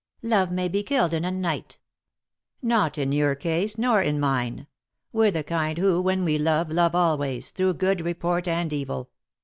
" Love may be killed in a night" " Not in your case, nor in mine. We're the kind who, when we love, love always, through good re port and evil."